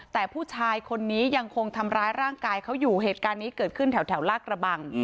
แต่ผู้ชายคนนี้ยังคงทำร้ายร่างกายเขาอยู่เหตุการณ์นี้เกิดขึ้นแถวลากระบัง